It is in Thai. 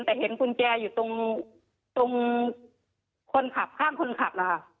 แต่เห็นกุญแจอยู่ตรงคนขับข้างคนขับนะคะ